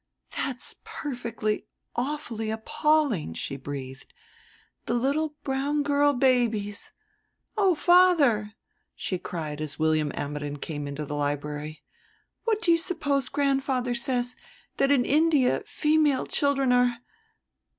"That's perfectly awfully appalling," she breathed. "The little brown girl babies. Oh, father," she cried, as William Ammidon came into the library, "what do you suppose grandfather says, that in India female children are...